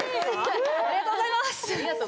ありがとうございます！